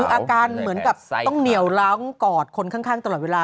คืออาการเหมือนกับต้องเหนียวล้างกอดคนข้างตลอดเวลา